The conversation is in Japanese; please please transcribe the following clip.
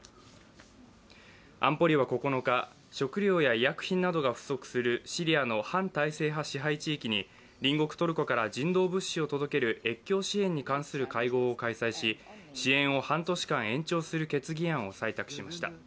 安保理は９日、食料や医薬品などが不足するシリアの反体制派支配地域に隣国トルコから人道物資を届ける越境支援に関する会合を開催し支援を半年間延長する決議案を採択しました。